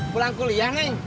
pulang kuliah neng